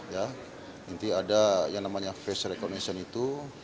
ya nanti ada yang namanya face recognition itu